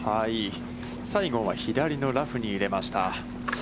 西郷は左のラフに入れました。